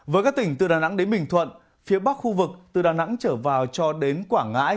với các tỉnh từ đà nẵng đến bình thuận phía bắc khu vực từ đà nẵng trở vào cho đến quảng ngãi